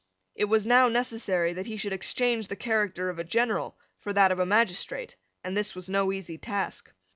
It was now necessary that he should exchange the character of a general for that of a magistrate; and this was no easy task.